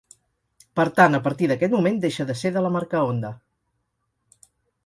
Per tant, a partir d'aquest moment deixa de ser de la marca Honda.